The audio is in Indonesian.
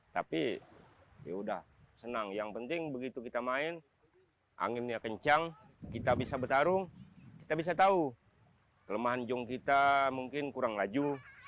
tapi yaudah senang yang penting begitu kita main anginnya kencang kita bisa bertarung kita bisa tahu kelemahan jong kita mungkin kurang laju